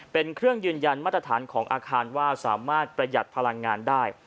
เป็นเครื่องยืนยันมาตรฐานของอาคารว่าสามารถประหยัดพลังงานได้